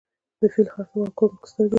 د فیل خړتوم او کونګ سترګي